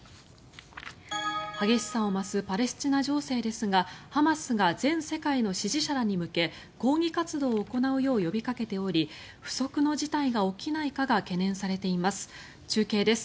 激しさを増すパレスチナ情勢ですがハマスが全世界の支持者らに向け抗議活動を行うよう呼びかけており不測の事態が起きないかが懸念されています。